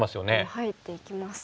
入っていきます。